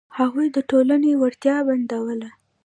هغوی د ټولنې وړتیا بندوله.